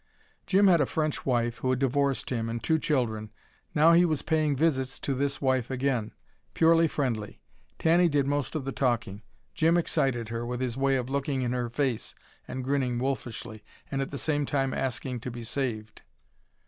Jim had a French wife, who had divorced him, and two children. Now he was paying visits to this wife again: purely friendly. Tanny did most of the talking. Jim excited her, with his way of looking in her face and grinning wolfishly, and at the same time asking to be saved.